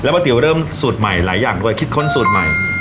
และพอติวเริ่มสูตรใหม่หลายอย่างถ้าทุกคนคิดข้นสูตรใหม่